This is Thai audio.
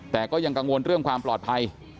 แต่ก็ยังกังวลเรื่องความปลอดภัย